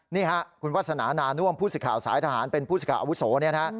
นี่ฮะคุณวัฒนานานวมผู้สิทธิ์ข่าวสายทหารเป็นผู้สิทธิ์ข่าวอุโสเนี่ยฮะ